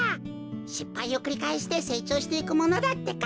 しっぱいをくりかえしてせいちょうしていくものだってか。